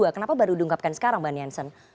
kenapa baru diungkapkan sekarang mbak niansen